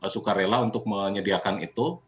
sukarela untuk menyediakan itu